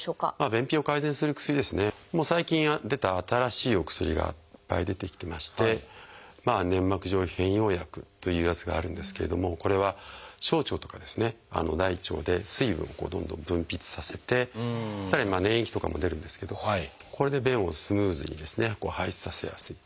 便秘を改善する薬ですね最近出た新しいお薬がいっぱい出てきてまして「粘膜上皮機能変容薬」というやつがあるんですけれどもこれは小腸とか大腸で水分をどんどん分泌させてさらに粘液とかも出るんですけどこれで便をスムーズに排出させやすい。